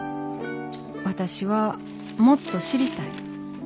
私はもっと知りたい。